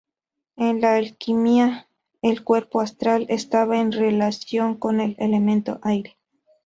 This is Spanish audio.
En la alquimia, el cuerpo astral estaba en relación con el elemento "aire".